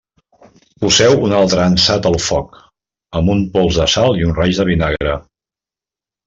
Poseu un altre ansat al foc, amb un pols de sal i un raig de vinagre.